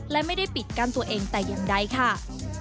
และไม่ได้ปิดกั้นตัวเองแต่อย่างใดค่ะ